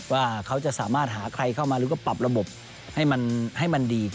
ว่าเขาจะสามารถหาใครเข้ามาหรือก็ปรับระบบให้มันดี